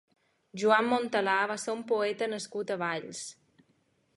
Joan Montalà va ser un poeta nascut a Valls.